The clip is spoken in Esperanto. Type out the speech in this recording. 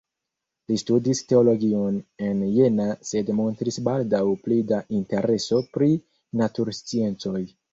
Li studis teologion en Jena sed montris baldaŭ pli da intereso pri natursciencoj.